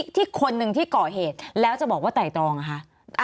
ที่คนหนึ่งที่ก่อเหตุแล้วจะบอกว่าไต่ตรองอะคะ